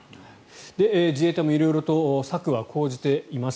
自衛隊も色々と策は講じています。